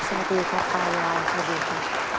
สวัสดีค่ะตายายสวัสดีค่ะ